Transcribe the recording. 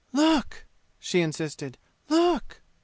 "Look!" she insisted. "Look!"